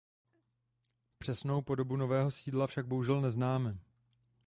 Přesnou podobu nového sídla však bohužel neznáme.